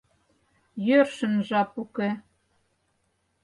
Йӧршын жап уке!..